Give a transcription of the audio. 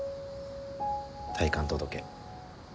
退官届。